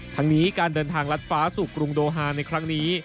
ทั้งนี้การเดินทางลัดฟ้าสู่กรุงโดฮาในครั้งนี้